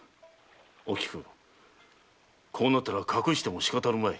おきくこうなったら隠してもしかたあるまい。